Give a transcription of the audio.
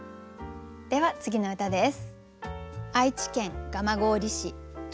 では次の歌です。